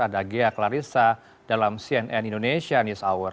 ada ghea klarissa dalam cnn indonesia news hour